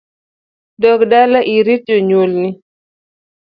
Dog dala irit jonyuol ni